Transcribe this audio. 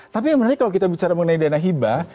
tapi yang menarik kalau kita bicara mengenai dana hibah